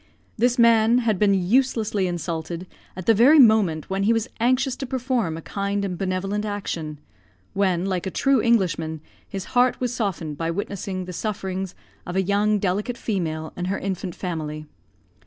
This man had been uselessly insulted, at the very moment when he was anxious to perform a kind and benevolent action; when, like a true Englishman, his heart was softened by witnessing the sufferings of a young, delicate female and her infant family.